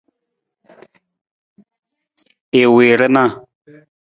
I wii rana.